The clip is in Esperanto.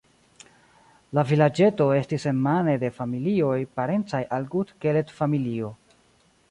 La vilaĝeto estis enmane de familioj, parencaj al Gut-Keled-familio.